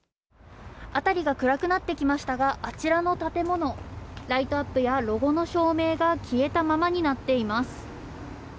辺りが暗くなってきましたが、あちらの建物、ライトアップやロゴの照明が消えたままになっています。